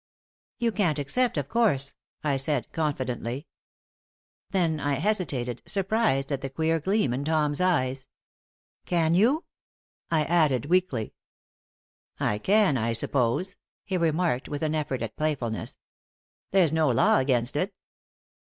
"You can't accept, of course," I said, confidently. Then I hesitated, surprised at the queer gleam in Tom's eyes. "Can you?" I added, weakly. "I can, I suppose," he remarked, with an effort at playfulness. "There's no law against it."